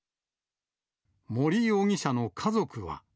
森容疑者の家族は。